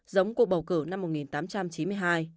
giống cuộc bầu cử năm một nghìn tám trăm chín mươi hai